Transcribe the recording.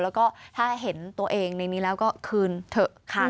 แล้วก็ถ้าเห็นตัวเองในนี้แล้วก็คืนเถอะค่ะ